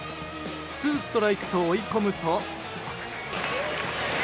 ツーストライクと追い込むと。